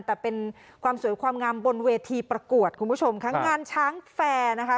แต่เป็นความสวยความงามบนเวทีประกวดคุณผู้ชมค่ะงานช้างแฟร์นะคะ